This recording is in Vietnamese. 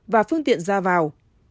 và phương tiện ra vào